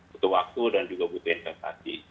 butuh waktu dan juga butuh investasi